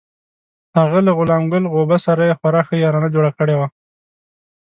هغه له غلام ګل غوبه سره یې خورا ښه یارانه جوړه کړې وه.